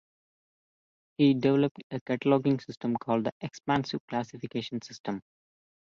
He developed a cataloging system called the expansive classification system.